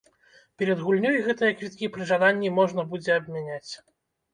Перад гульнёй гэтыя квіткі пры жаданні можна будзе абмяняць.